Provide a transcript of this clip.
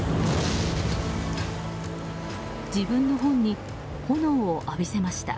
自分の本に炎を浴びせました。